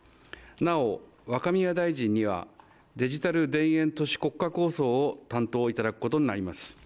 なお、若宮大臣にはデジタル田園都市国家構想を担当いただくことになります。